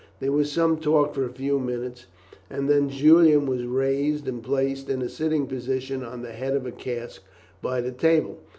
There was some talk for a few minutes, and then Julian was raised and placed in a sitting position on the head of a cask by the table.